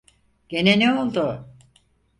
Gene ne oldu?